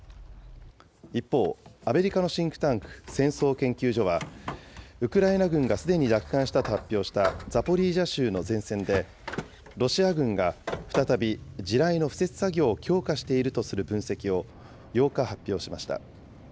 一方、アメリカのシンクタンク、戦争研究所は、ウクライナ軍がすでに奪還したと発表したザポリージャ州の前線で、ロシア軍が再び地雷の敷設作業を強化しているとする分析を８日発表しました。